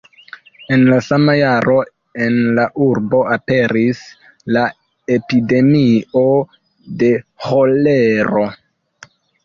En la sama jaro en la urbo aperis la epidemio de ĥolero.